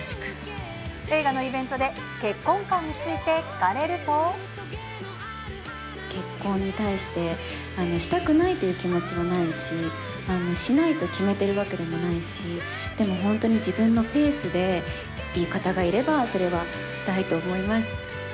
映画のイベントで、結婚観につい結婚に対して、したくないという気持ちはないし、しないと決めているわけでもないし、でも本当に自分のペースでいい方がいれば、それはしたいと思います。